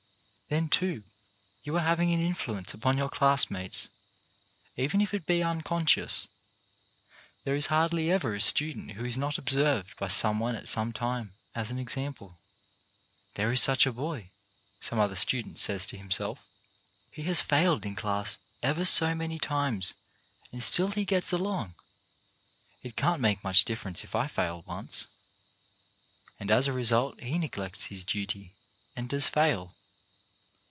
Then, too, you are having an influence upon your classmates, even if it be unconscious. There is hardly ever a student who is not observed by some one at some time as an example. "There is such a boy," INDIVIDUAL RESPONSIBILITY 205 some other student says to himself. "He has failed in class ever so many times, and still he gets along. It can't make much difference if I fail once. " And as a result he neglects his duty, and does fail.